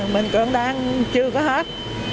mình còn đang chưa có hết